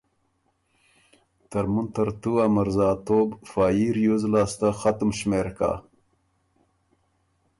ترمُن ترتُو ا مرزاتوب فا يي ریوز لاسته ختُم شمېر کۀ۔